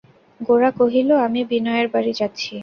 গোরা কহিল, আমি বিনয়ের বাড়ি যাচ্ছি।